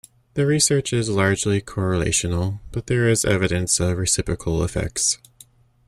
The research is largely correlational, but there is evidence of reciprocal effects.